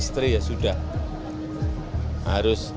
tadi sudah makan ya